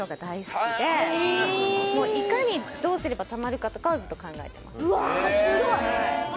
もういかにどうすればたまるかとかをずっと考えてますうわ